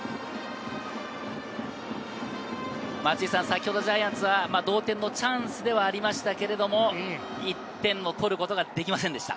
先ほどジャイアンツは同点のチャンスではありましたけれども、１点を取ることができませんでした。